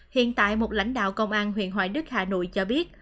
hiện tại một lãnh đạo công an huyện hoài đức hà nội cho biết